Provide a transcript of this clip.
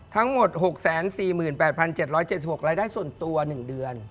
ทั้งหมด๖๔๘๗๗๖รายได้ส่วนตัว๑เดือน